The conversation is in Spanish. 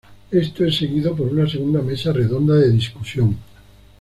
Esto es seguido por una segunda mesa redonda de discusión.